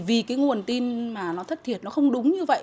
vì cái nguồn tin mà nó thất thiệt nó không đúng như vậy